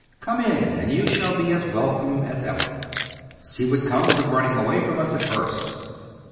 Come in, and you shall be as welcome as ever. See what comes of running away from us at first.